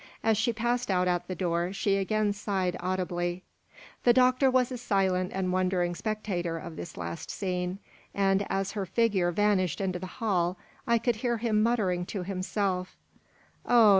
As she passed out at the door, she again sighed audibly. The doctor was a silent and wondering spectator of this last scene; and as her figure vanished into the hall, I could hear him muttering to himself "Oh ja!